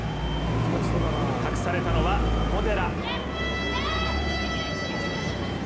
託されたのは小野寺。